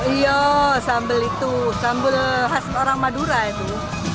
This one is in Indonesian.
iya sambal itu sambal khas orang madura itu